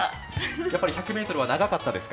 やっぱり１００ｍは長かったですか？